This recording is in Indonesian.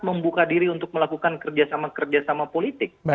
membuka diri untuk melakukan kerjasama kerjasama politik